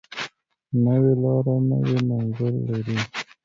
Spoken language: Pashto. نوې لاره نوی منزل لري